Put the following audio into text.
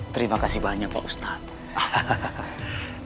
terima kasih banyak pak ustadz